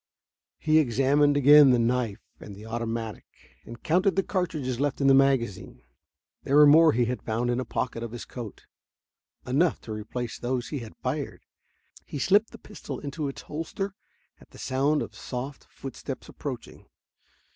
He examined again the knife and the automatic, and counted the cartridges left in the magazine. There were more he had found in a pocket of his coat, enough to replace those he had fired. He slipped the pistol into its holster at the sound of soft footsteps approaching.